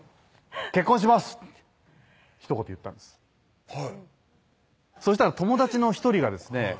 「結婚します」ひと言言ったんですはいそしたら友達の１人がですね